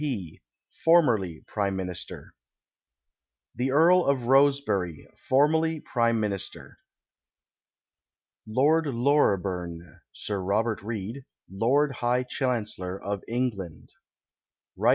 P., formerly Prime ]\Iinist.'r. The Earl of Rosebery, formerly Prime Min ister. Lord Loreburn (Sii' Robert Reid), Lord High Chancellor of England. PREFACE Rt.